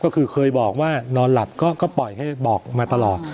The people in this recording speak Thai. ก็คือเคยบอกว่านอนหลับก็ปล่อยให้บอกมาตลอด